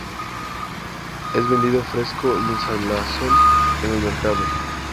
Es vendido fresco y en salazón en los mercados.